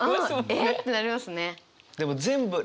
えっ！ってなりますね。